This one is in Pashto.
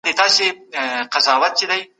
کله باید خپلو اړتیاوو ته لومړیتوب ورکړو؟